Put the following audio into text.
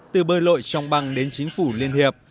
từ bơi lội trong băng đến chính phủ liên hiệp